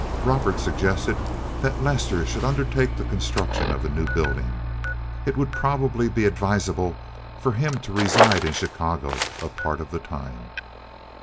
Robert suggested that Lester should undertake the construction of the new buildings. It would probably be advisable for him to reside in Chicago a part of the time.